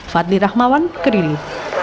fadli rahmawan kediri